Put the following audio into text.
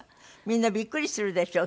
みんなびっくりするでしょ？